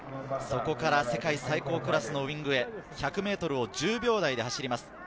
そこから世界最高クラスのウイングへ、１００ｍを１０秒台で走ります。